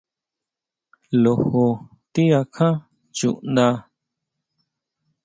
Lojo ti akjan chundá?